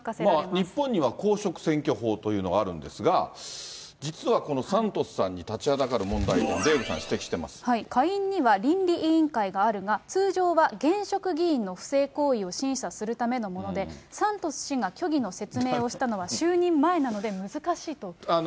日本には公職選挙法というのがあるんですが、実はこのサントスさんに立ちはだかる問題というのを、デーブさん下院には倫理委員会があるが、通常は現職議員の不正行為を審査するためのもので、サントス氏が虚偽の説明をしたのは就任前なので、難しいと。